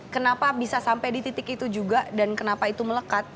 kenapa bisa sampai di titik itu juga dan kenapa itu melekat